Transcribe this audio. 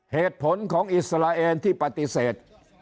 เหตุผลของอิสราเอลที่ปฏิเสธ